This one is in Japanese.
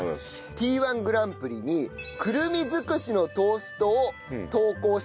Ｔ−１グランプリにくるみづくしのトーストを投稿した際に。